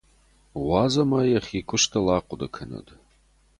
Уадз ӕмӕ йӕхи куыстыл ахъуыды кӕнӕд.